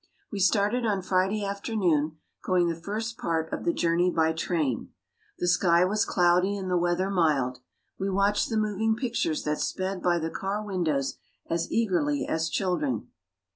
We started on Friday afternoon, going the first part of the journey by train. The sky was cloudy and the weather mild. We watched the moving pictures that sped by the car windows as eagerly as children.